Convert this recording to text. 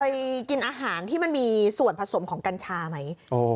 กินอาหารที่มันมีส่วนผสมของกัญชาไหม